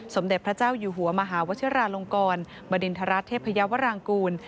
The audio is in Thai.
สมเด็จพระเจ้าอยู่หัวมหาวชิราลงกรบดินทรเทพยาวรางกูล